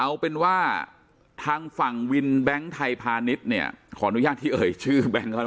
เอาเป็นว่าทางฝั่งวินแบงค์ไทยพาณิชย์เนี่ยขออนุญาตที่เอ่ยชื่อแบงค์เขาหน่อย